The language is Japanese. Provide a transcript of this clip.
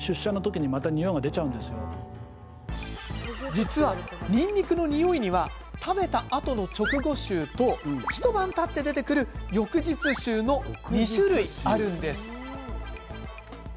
実は、にんにくのにおいには食べたあとの直後臭と一晩たって出てくる翌日臭の２種類あるんです。